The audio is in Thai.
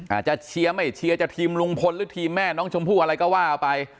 อาจจะเชียร์ไม่เชียร์จะทีมลุงพลหรือทีมแม่น้องชมพู่อะไรก็ว่าไป